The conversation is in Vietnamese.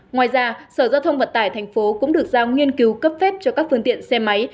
ngoài ra sở giao thông vận tải thành phố cũng được giao nghiên cứu cấp phép cho các phương tiện xe máy